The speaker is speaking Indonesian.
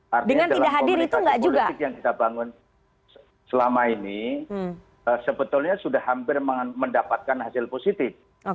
karena artinya dalam komunikasi politik yang kita bangun selama ini sebetulnya sudah hampir mendapatkan hasil positif